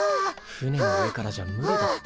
船の上からじゃ無理だって。